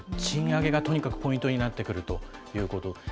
賃上げがとにかくポイントになってくるということ。